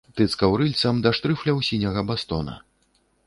Тыцкаў рыльцам да штрыфляў сіняга бастона.